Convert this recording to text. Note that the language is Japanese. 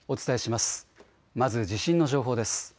まず地震の情報です。